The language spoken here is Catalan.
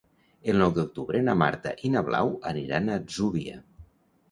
El nou d'octubre na Marta i na Blau aniran a l'Atzúbia.